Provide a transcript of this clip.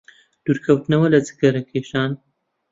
دوورکەوتنەوە لە جگەرەکێشان